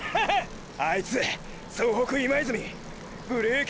あいつ総北今泉ブレーキ